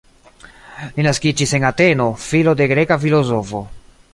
Li naskiĝis en Ateno, filo de greka filozofo.